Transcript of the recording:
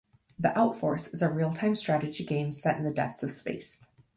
"The Outforce" is a real-time strategy game set in the depths of space.